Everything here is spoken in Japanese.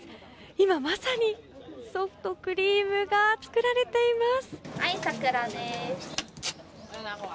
今まさにソフトクリームが作られています。